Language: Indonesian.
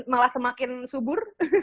malah semakin subur